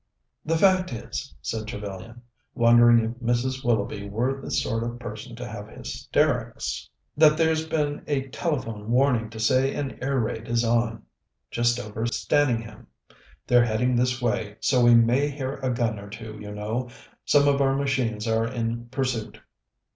"The fact is," said Trevellyan, wondering if Mrs. Willoughby were the sort of person to have hysterics, "that there's been a telephone warning to say an air raid is on, just over Staningham. They're heading this way, so we may hear a gun or two, you know; some of our machines are in pursuit."